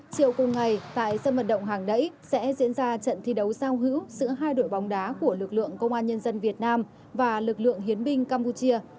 chiều cùng ngày tại sân vận động hàng đẩy sẽ diễn ra trận thi đấu giao hữu giữa hai đội bóng đá của lực lượng công an nhân dân việt nam và lực lượng hiến binh campuchia